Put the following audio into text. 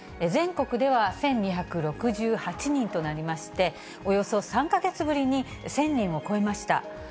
全国では１２６８人となりまして、およそ３か月ぶりに１０００人を超えました。